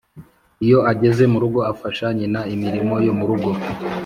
Iyo ageze mu rugo afasha nyina imirimo yo mu rugo